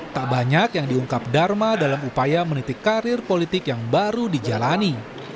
tak banyak yang diungkap dharma dalam upaya menitik karir politik yang baru dijalani